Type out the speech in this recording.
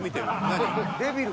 何？